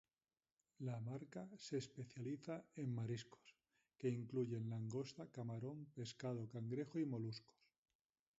La marca se especializa en mariscos, que incluyen langosta, camarón, pescado, cangrejo y moluscos.